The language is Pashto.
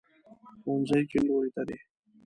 ښوونځی کیڼ لوري ته دی